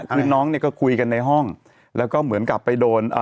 คือน้องเนี่ยก็คุยกันในห้องแล้วก็เหมือนกับไปโดนอ่า